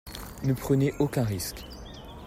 Ne prenez aucun risque.